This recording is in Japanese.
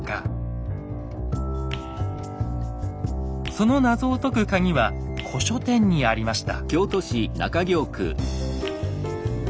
その謎を解くカギは古書店にありました。